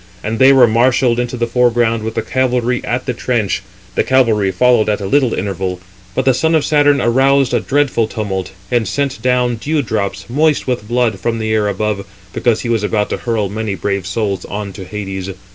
And they 365 were marshalled in the foreground with the cavalry at the trench; the cavalry followed at a little interval; but the son of Saturn aroused a dreadful tumult, and sent down dew drops, moist with blood, from the air above, because he was about to hurl many brave souls on to Hades.